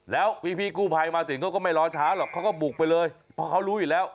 แล้วพี่กู้ภัยมาถึงเขาก็ไม่รอช้าหรอกเขาก็บุกไปเลยเพราะเขารู้อยู่แล้ว